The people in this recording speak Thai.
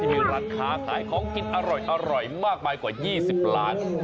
มีร้านค้าขายของกินอร่อยมากมายกว่า๒๐ล้าน